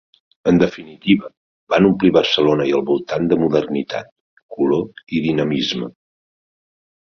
En definitiva, van omplir Barcelona i el voltant de modernitat, color i dinamisme.